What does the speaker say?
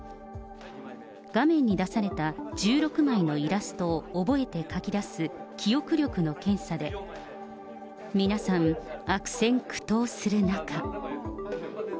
画面に出された１６枚のイラストを覚えて書き出す記憶力の検査で、皆さん、悪戦苦闘する中。